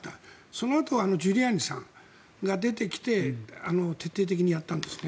そのあとはジュリアーニさんが出てきて徹底的にやったんですね。